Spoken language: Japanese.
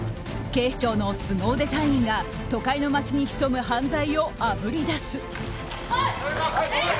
警視庁のスゴ腕隊員が都会の街に潜む犯罪をあぶり出す。